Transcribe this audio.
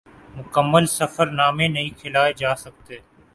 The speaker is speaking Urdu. مکمل سفر نامے نہیں کھلائے جا سکتے